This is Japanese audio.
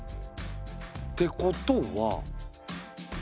てことは。